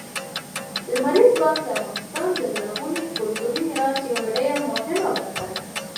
لمریز ځواک د افغانستان د لرغوني کلتوري میراث یوه ډېره مهمه برخه ده.